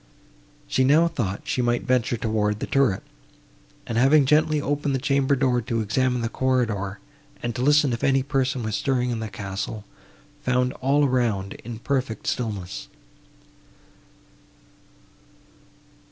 She now thought she might venture towards the turret, and, having gently opened the chamber door to examine the corridor, and to listen if any person was stirring in the castle, found all around in perfect stillness.